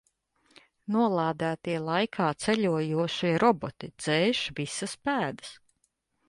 Nolādētie laikā ceļojošie roboti dzēš visas pēdas.